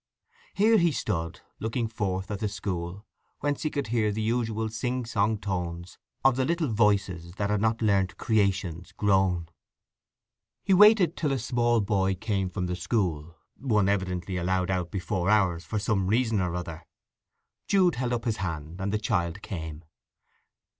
Here he stood, looking forth at the school, whence he could hear the usual sing song tones of the little voices that had not learnt Creation's groan. He waited till a small boy came from the school—one evidently allowed out before hours for some reason or other. Jude held up his hand, and the child came.